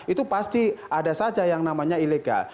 itu pasti ada saja yang namanya ilegal